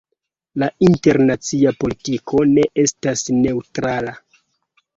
La internacia politiko ne estas neŭtrala.